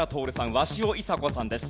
鷲尾いさ子さんです。